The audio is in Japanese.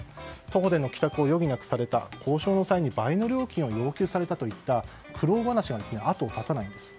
徒歩での帰宅を余儀なくされた交渉の際に倍の料金を要求されたといった苦労話が後を絶たないんです。